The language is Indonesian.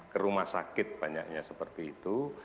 ke rumah sakit banyaknya seperti itu